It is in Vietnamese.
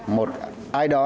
một ai đó